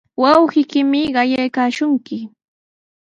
Wawqiykimi qayaykaashunki.